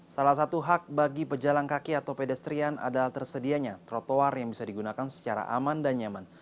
salah satu hak bagi pejalan kaki atau pedestrian adalah tersedianya trotoar yang bisa digunakan secara aman dan nyaman